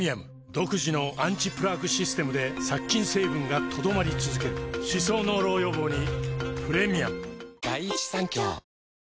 独自のアンチプラークシステムで殺菌成分が留まり続ける歯槽膿漏予防にプレミアム